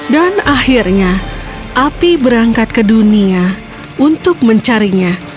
dan akhirnya api berangkat ke dunia untuk mencarinya